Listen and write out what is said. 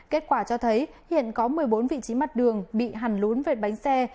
kết quả cho thấy hiện có một mươi bốn vị trí mặt đường bị hằn lốn vệt bánh xe